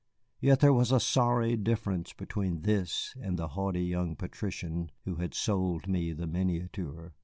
Yet there was a sorry difference between this and the haughty young patrician who had sold me the miniature.